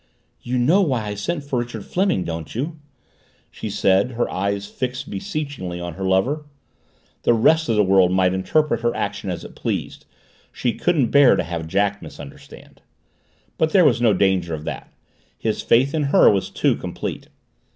"You know why I sent for Richard Fleming, don't you?" she said, her eyes fixed beseechingly on her lover. The rest of the world might interpret her action as it pleased she couldn't bear to have Jack misunderstand. But there was no danger of that. His faith in her was too complete.